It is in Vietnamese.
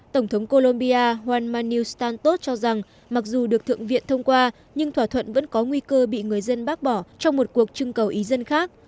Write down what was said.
tổng thống colombia hoanmanistantos cho rằng mặc dù được thượng viện thông qua nhưng thỏa thuận vẫn có nguy cơ bị người dân bác bỏ trong một cuộc trưng cầu ý dân khác